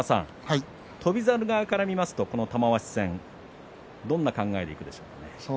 翔猿側から見ますと玉鷲戦どんな考えでいくでしょうか。